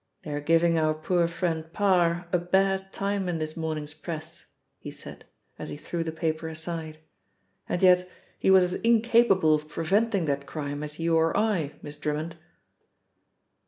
"They are giving our poor friend Parr a bad time in this morning's press," he said as he threw the paper aside, "and yet he was as incapable of preventing that crime as you or I, Miss Drummond."